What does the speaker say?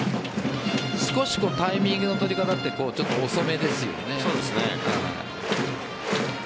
少しタイミングの取り方って遅めですよね。